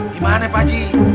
dimana pak haji